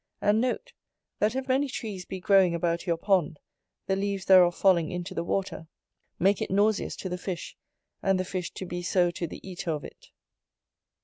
And note, that if many trees be growing about your pond, the leaves thereof falling into the water, make it nauseous to the fish, and the fish to be so to the eater of it.